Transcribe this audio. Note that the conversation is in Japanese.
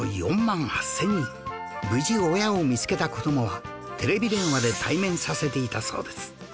無事親を見つけた子どもはテレビ電話で対面させていたそうです